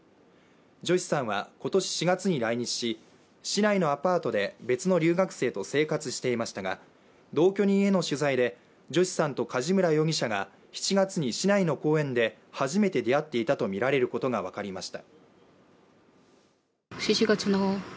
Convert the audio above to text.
ジョシさんは今年４月に来日し市内のアパートで別の留学生と生活していましたが同居人への取材でジョシさんと梶村容疑者が７月に市内の公園で初めて出会っていたとみられることが分かりました。